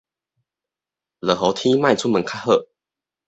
落雨天莫出門較好